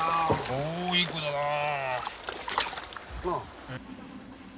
おおいい子だなあ。